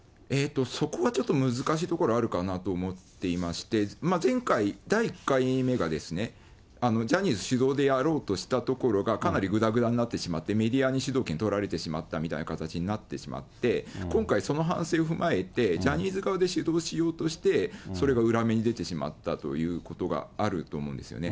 そこはちょっと難しいところあるかなと思っていまして、前回、第１回目がですね、ジャニーズ主導でやろうとしたところが、かなりぐだぐだになってしまって、メディアに主導権取られてしまったみたいな形になってしまって、今回その反省を踏まえて、ジャニーズ側で主導しようとして、それが裏目に出てしまったということがあると思うんですよね。